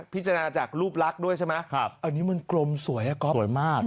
พิจารณาจากรูปลักษณ์ด้วยใช่ไหมอันนี้มันกลมสวยอะก๊อฟสวยมาก